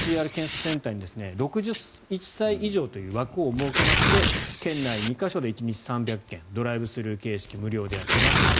ＰＣＲ検査センターに６１歳以上という枠を設けまして県内２か所で１日３００件ドライブスルー形式無料でやってます。